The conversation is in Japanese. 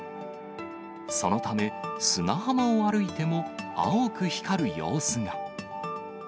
そのため、砂浜を歩いても青く光る様子が。